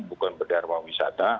bukan berdarah mahu wisata